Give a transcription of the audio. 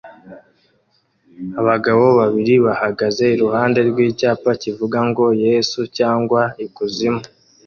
Abagabo babiri bahagaze iruhande rw'icyapa kivuga ngo "Yesu cyangwa ikuzimu"